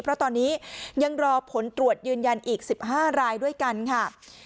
เพราะตอนนี้ยังรอผลตรวจยืนยันอีก๑๕รายด้วยกันค่ะ